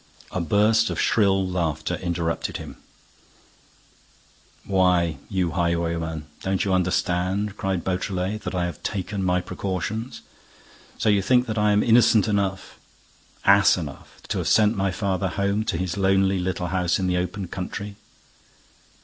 A burst of shrill laughter interrupted him: "Why, you highwayman, don't you understand," cried Beautrelet, "that I have taken my precautions? So you think that I am innocent enough, ass enough, to have sent my father home to his lonely little house in the open country!"